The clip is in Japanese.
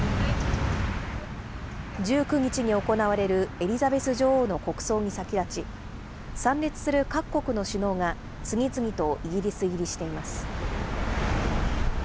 １９日に行われるエリザベス女王の国葬に先立ち、参列する各国の首脳が次々とイギリス入りしています。